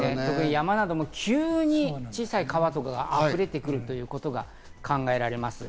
山など急に小さい川があふれてくることが考えられます。